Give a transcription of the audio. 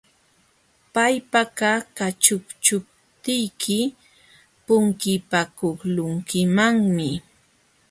Pakpaka kaćhuqśhuptiyki punkipakuqlunkimanmi.